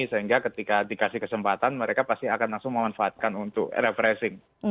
sehingga ketika dikasih kesempatan mereka pasti akan langsung memanfaatkan untuk refreshing